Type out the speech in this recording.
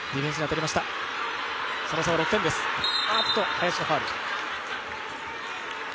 林のファウル。